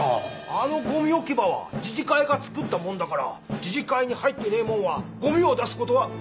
あのゴミ置き場は自治会が作ったもんだから自治会に入ってねえ者はゴミを出す事はできねえ！